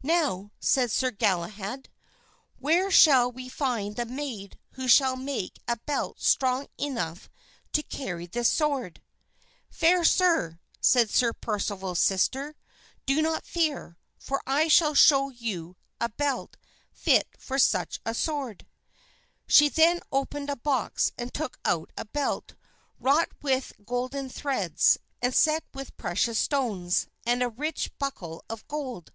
"Now," said Sir Galahad, "where shall we find the maid who shall make a belt strong enough to carry this sword?" "Fair sir," said Sir Percival's sister, "do not fear, for I shall show you a belt fit for such a sword." She then opened a box and took out a belt, wrought with golden threads, and set with precious stones, and a rich buckle of gold.